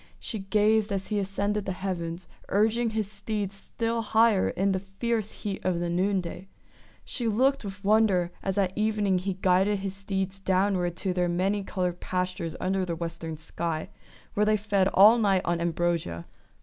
She gazed as he ascended the heavens, urging his steeds still higher in the fierce heat of the noonday. She looked with wonder as at evening he guided his steeds downward to their many coloured pastures under the western sky, where they fed all night on ambrosia.